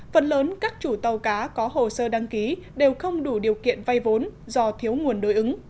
phần lớn các chủ tàu cá có hồ sơ đăng ký đều không đủ điều kiện vay vốn do thiếu nguồn đối ứng